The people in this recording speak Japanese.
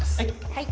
はい